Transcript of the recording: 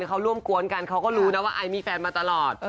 เขาร่วมกวนกันเขาก็รู้นะว่าไอมีแฟนมาตลอด